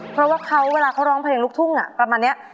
เพราะว่าเค้าเวลาเค้าร้องเพลงลุกทุ่งอ่ะประมาณเนี้ย